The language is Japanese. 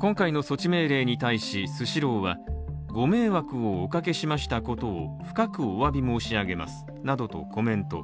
今回の措置命令に対しスシローはご迷惑をおかけしましたことを深くお詫び申し上げますなどとコメント。